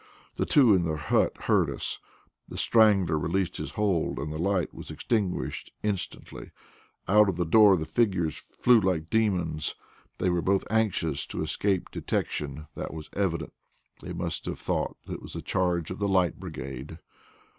The two in the hut heard us, the strangler released his hold and the light was extinguished instantly. Out of the door the figures flew like demons. They were both anxious to escape detection that was evident. They must have thought it was the charge of the Light Brigade.